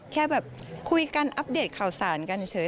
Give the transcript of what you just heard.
แค่แบบคุยกันอัปเดตข่าวสารกันเฉย